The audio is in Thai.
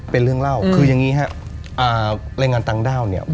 เป็นเรื่องเล่าคืออย่างนี้ครับแรงงานต่างด้าวเนี่ย